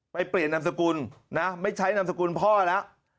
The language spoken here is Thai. เปลี่ยนนามสกุลนะไม่ใช้นามสกุลพ่อแล้ว